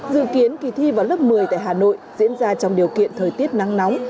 dự kiến kỳ thi vào lớp một mươi tại hà nội diễn ra trong điều kiện thời tiết nắng nóng